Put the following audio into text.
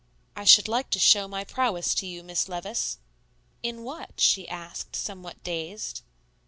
"I should like to show my prowess to you, Miss Levice." "In what?" she asked, somewhat dazed.